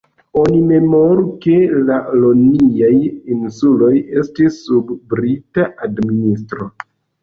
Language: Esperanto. Oni memoru, ke la Ioniaj insuloj estis sub Brita administro.